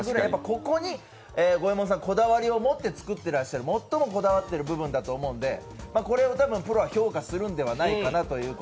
ここに五右衛門さん、こだわりを持って作ってらっしゃる、最もこだわっている部分だと思うので、これをたぶんプロは評価するんじゃないかなと思って。